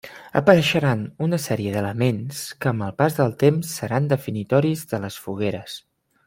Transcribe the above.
Apareixeran una sèrie d'elements que amb el pas del temps seran definitoris de les Fogueres.